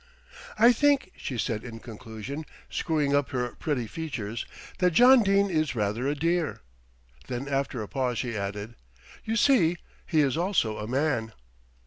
"I think," she said in conclusion, screwing up her pretty features, "that John Dene is rather a dear." Then after a pause she added, "You see, he is also a man."